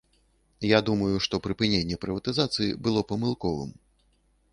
Я думаю, што прыпыненне прыватызацыі было памылковым.